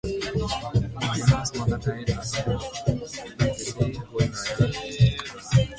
Raynor's mother died at day when Raynor visited her.